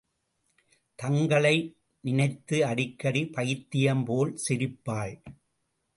தங்களை நினைத்து அடிக்கடி பைத்தியம் போல் சிரிப்பாள்.